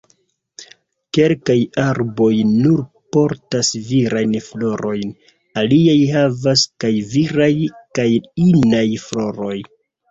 Kelkaj arboj nur portas virajn florojn.. Aliaj havas kaj viraj kaj inaj floroj.